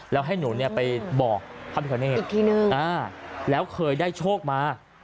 แล้วให้หนูเนี่ยไปบอกพระพิคเนตอีกทีนึงแล้วเคยได้โชคมา